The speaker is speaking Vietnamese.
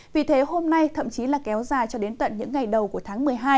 vì thế hôm nay thậm chí là kéo dài cho đến tận những ngày đầu của tháng một mươi hai